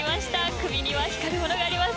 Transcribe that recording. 首には光るものがあります。